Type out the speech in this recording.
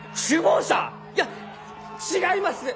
いや違います！